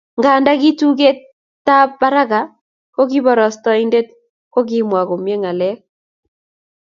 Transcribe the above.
Nganda ki tugetab barak ako koborostoindet kokimwa komie ngalek